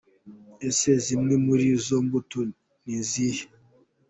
Ese zimwe muri izo mbuto ni izihe?.